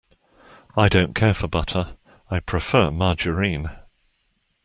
I don’t care for butter; I prefer margarine.